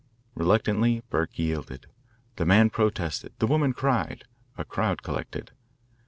Reluctantly Burke yielded. The man protested; the woman cried; a crowd collected.